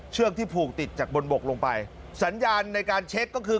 ที่ผูกติดจากบนบกลงไปสัญญาณในการเช็คก็คือ